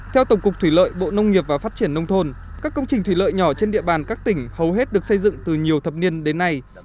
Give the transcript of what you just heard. theo tổng cục thủy lợi bộ nông nghiệp và phát triển nông thôn các công trình thủy lợi nhỏ trên địa bàn các tỉnh hầu hết được xây dựng từ nhiều thập niên đến nay